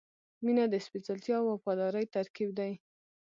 • مینه د سپېڅلتیا او وفادارۍ ترکیب دی.